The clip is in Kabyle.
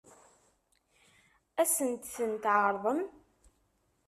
Ad sent-tent-tɛeṛḍem?